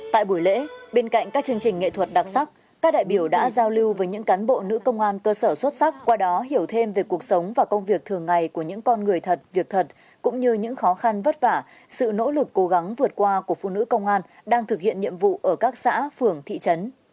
tại buổi lễ bên cạnh các chương trình nghệ thuật đặc sắc các đại biểu đã giao lưu với những cán bộ nữ công an cơ sở xuất sắc qua đó hiểu thêm về cuộc sống và công việc thường ngày của những con người thật việc thật cũng như những khó khăn vất vả sự nỗ lực cố gắng vượt qua của phụ nữ công an đang thực hiện nhiệm vụ ở các xã phường thị trấn